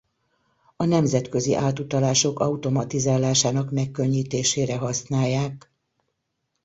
A nemzetközi átutalások automatizálásának megkönnyítésére használják.